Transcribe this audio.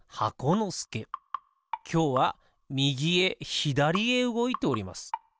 きょうはみぎへひだりへうごいております。